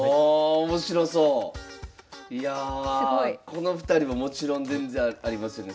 この２人ももちろん全然ありますよね。